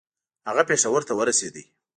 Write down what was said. هغه پېښور ته ورسېدی.